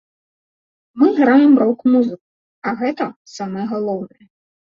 Мы граем рок-музыку, а гэта самае галоўнае.